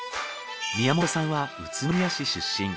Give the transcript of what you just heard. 宮本さんは宇都宮市出身。